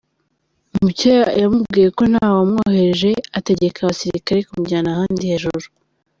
Mucyo yamubwiye ko nta wamwohereje, ategeka abasirikare kumujyana ahandi hejuru.